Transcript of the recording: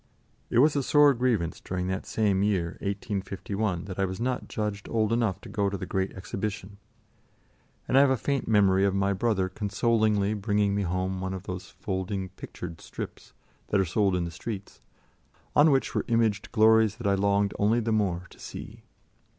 It was a sore grievance during that same year, 1851, that I was not judged old enough to go to the Great Exhibition, and I have a faint memory of my brother consolingly bringing me home one of those folding pictured strips that are sold in the streets, on which were imaged glories that I longed only the more to see.